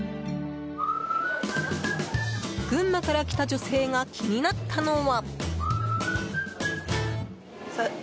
群馬から来た女性が気になったのは。